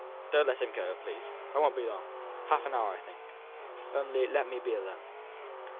Don't let him go, please. I won't be long half an hour, I think. Only let me be alone."